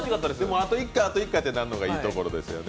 あと１回１回なるのがいいところですよね。